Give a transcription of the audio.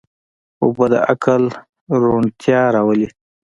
اوبه د عقل روڼتیا راولي.